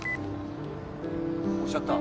押しちゃった。